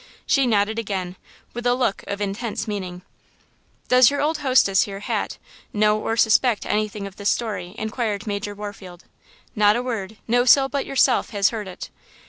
She nodded again, with a look of intense meaning. "Does your old hostess here, Hat, know or suspect anything of this story?" inquired Major Warfield. "Not a word! No soul but yourself has heard it!"